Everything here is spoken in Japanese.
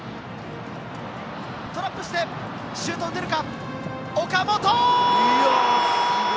トラップして、シュート打てるか？